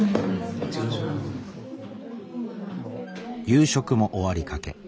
夕食も終わりかけ。